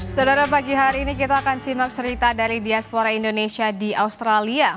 saudara pagi hari ini kita akan simak cerita dari diaspora indonesia di australia